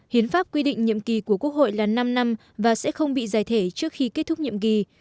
hiến pháp quy định nhiệm kỳ của quốc hội là năm năm và sẽ không bị giải thể trước khi kết thúc nhiệm kỳ